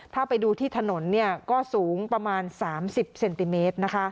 ถ้าไปดูที่ถนนก็สูงประมาณ๓๐เซนติเมตร